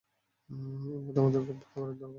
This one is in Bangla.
এই মুহূর্তে আমাদের খুব খাবারের দরকার।